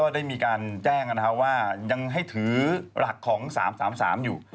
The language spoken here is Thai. ได้มีการแจ้งว่ายังให้ถือหลักของ๓๓อยู่